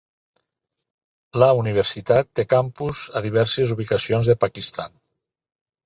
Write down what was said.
La universitat té campus a diverses ubicacions de Pakistan.